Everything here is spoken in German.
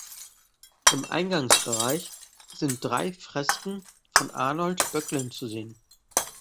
Im Eingangsbereich sind drei Fresken von Arnold Böcklin zu sehen.